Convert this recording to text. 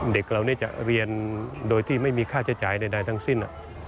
เด็กเหล่านี้จะเรียนโดยที่ไม่มีค่าใช้จ่ายใดทั้งสิ้น